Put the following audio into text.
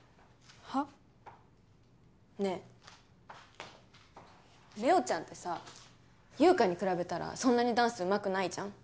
はっ？ねぇれおちゃんってさ優佳に比べたらそんなにダンスうまくないじゃん？